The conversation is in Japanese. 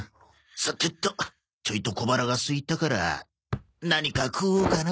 さてとちょいと小腹がすいたから何か食おうかな。